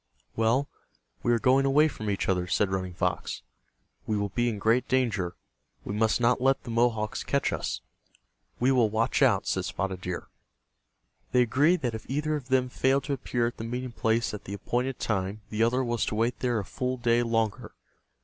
"Well, we are going away from each other," said Running Fox. "We will be in great danger. We must not let the Mohawks catch us." "We will watch out," said Spotted Deer. They agreed that if either of them failed to appear at the meeting place at the appointed time the other was to wait there a full day longer.